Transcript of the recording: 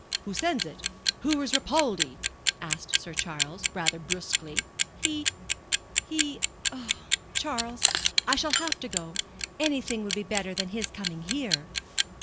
Who sends it? Who is Ripaldi?" asked Sir Charles, rather brusquely. "He he oh, Charles, I shall have to go. Anything would be better than his coming here."